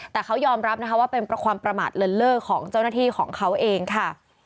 แต่เขายอมรับนะคะว่าเป็นความประมาทเลินเล่อของเจ้าหน้าที่ของเขาเองค่ะ